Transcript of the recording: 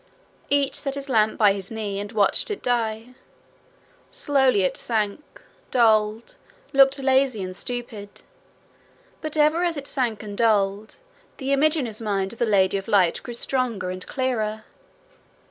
Each set his lamp by his knee, and watched it die. Slowly it sank, dulled, looked lazy and stupid. But ever as it sank and dulled, the image in his mind of the Lady of Light grew stronger and clearer.